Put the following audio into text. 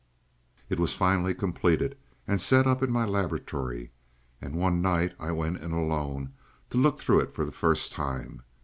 "It was finally completed and set up in my laboratory, and one night I went in alone to look through it for the first time.